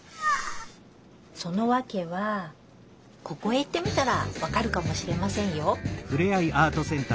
そのわけはここへ行ってみたらわかるかもしれませんよ。